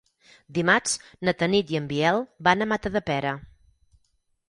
Dimarts na Tanit i en Biel van a Matadepera.